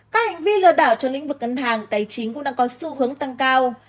các hành vi lừa đảo trong lĩnh vực ngân hàng tài chính cũng đang có xu hướng tăng cao